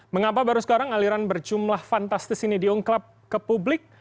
mengapa baru sekarang aliran berjumlah fantastis ini diungkap ke publik